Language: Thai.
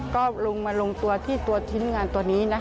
ก็ลงมาลงตัวที่ตัวชิ้นงานตัวนี้นะ